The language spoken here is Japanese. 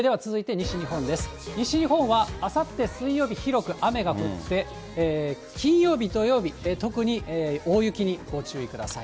西日本はあさって水曜日、広く雨が降って、金曜日、土曜日、特に、大雪にご注意ください。